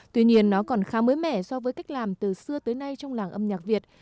tuy nhiên nó còn khá mới mẻ so với cách làm từ xưa tới nay trong làng âm nhạc việt